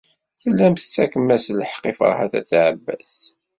Tellam tettakfem-as lḥeqq i Ferḥat n At Ɛebbas.